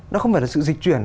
nó không phải là sự dịch chuyển